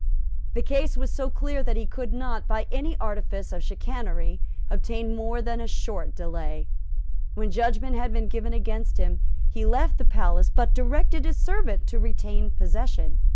The case was so clear that he could not, by any artifice of chicanery, obtain more than a short delay. When judgment had been given against him, he left the palace, but directed his steward to retain possession.